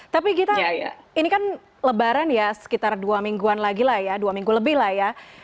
tapi gita ini kan lebaran ya sekitar dua mingguan lagi lah ya dua minggu lebih lah ya